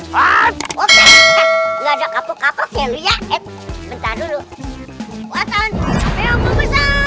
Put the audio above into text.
hai ah ah ah nggak ada kapok kapok ya lu ya ed bentar dulu